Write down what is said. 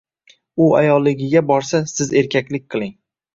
U ayolligiga borsa, siz erkaklik qiling.